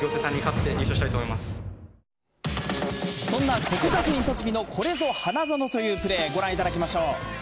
そんな国学院栃木のこれぞ花園というプレー、ご覧いただきましょう。